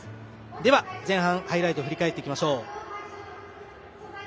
では前半、ハイライト振り返りましょう。